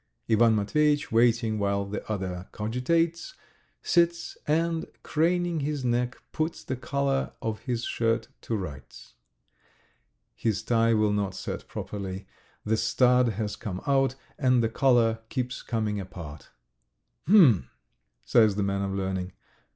Ivan Matveyitch, waiting while the other cogitates, sits and, craning his neck, puts the collar of his shirt to rights. His tie will not set properly, the stud has come out, and the collar keeps coming apart. "H'm! ..." says the man of learning.